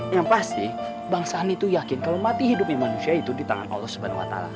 yang pasti bang sandi itu yakin kalau mati hidupnya manusia itu di tangan allah swt